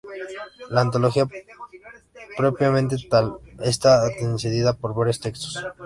La antología propiamente tal está antecedida por varios textos.